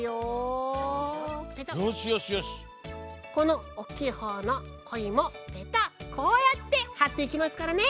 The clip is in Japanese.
このおおきいほうのコイもペタッこうやってはっていきますからね。